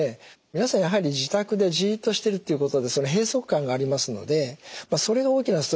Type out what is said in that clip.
皆さんやはり自宅でじっとしてるっていうことで閉塞感がありますのでそれが大きなストレスになっている。